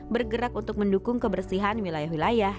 bergerak untuk mendukung kebersihan wilayah wilayah